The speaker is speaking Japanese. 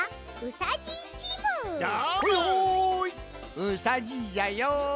うさじいじゃよ。